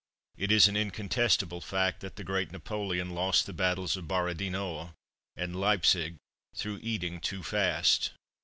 It is an incontestable fact that the great Napoleon lost the battles of Borodino and Leipsic through eating too fast.